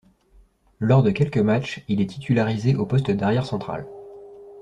Lors de quelques matchs, il est titularisé au poste d'arrière central.